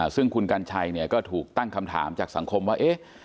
ซึ่งคุณหนุ่มกัญชัยเนี่ยก็ถูกตั้งคำถามจากสังคมว่า